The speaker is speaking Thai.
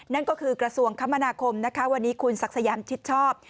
นั่นก็คือกระทรวงคมนาคมนะคะวันนี้คุณศักดิ์สยามชิดชอบ